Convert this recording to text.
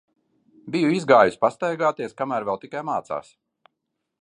Biju izgājusi pastaigāties, kamēr vēl tikai mācās.